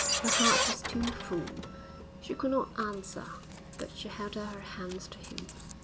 Her heart was too full; she could not answer; but she held out her hands to him.